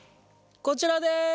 こちらです。